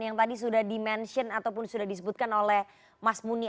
yang tadi sudah di mention ataupun sudah disebutkan oleh mas muni